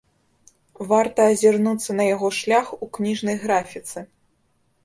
Варта азірнуцца на яго шлях у кніжнай графіцы.